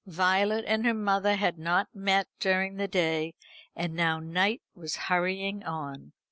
Violet and her mother had not met during the day, and now night was hurrying on.